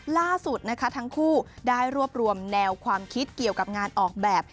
ล่าสุดนะคะทั้งคู่ได้รวบรวมแนวความคิดเกี่ยวกับงานออกแบบ